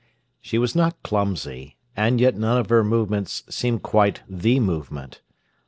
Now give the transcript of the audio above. She was not clumsy, and yet none of her movements seemed quite the movement.